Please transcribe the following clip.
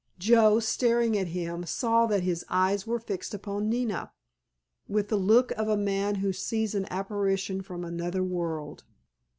Joe, staring at him, saw that his eyes were fixed upon Nina, with the look of a man who sees an apparition from another world.